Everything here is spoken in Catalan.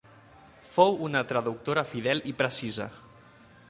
Fou una traductora fidel i precisa.